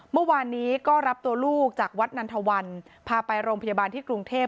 เมื่อวานนี้ก็รับตัวลูกจากวัดนันทวันพาไปโรงพยาบาลที่กรุงเทพ